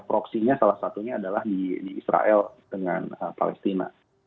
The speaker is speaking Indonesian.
proksinya salah satunya adalah di israel dengan palestina